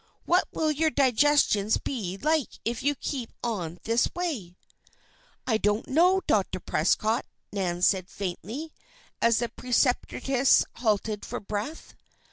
what will your digestions be like if you keep on in this way?" "I don't know, Dr. Prescott," Nan said faintly, as the preceptress halted for breath.